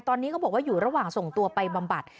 ตอนนี้เขาบอกว่าอยู่ระหว่างส่งตัวไปบำบัด